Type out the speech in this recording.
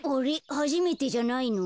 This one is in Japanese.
はじめてじゃないの？